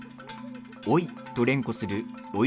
おい！と連呼するおい！